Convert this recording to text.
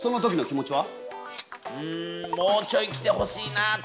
もうちょい来てほしいなって感じ。